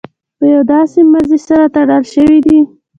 په یو داسې مزي سره تړل شوي دي.